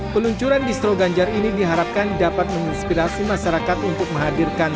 peluncuran distro ganjar ini diharapkan dapat menginspirasi masyarakat untuk menghadirkan